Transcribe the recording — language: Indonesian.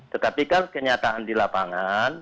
tetapi kan kenyataan di lapangan